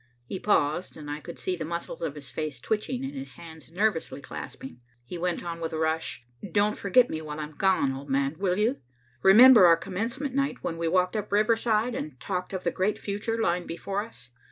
He paused and I could see the muscles of his face twitching and his hands nervously clasping. He went on with a rush, "Don't forget me while I'm gone, old man, will you? Remember our commencement night when we walked up Riverside, and talked of the great future lying before us?